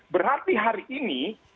berarti hari ini